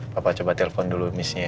papa coba telpon dulu miss nya ya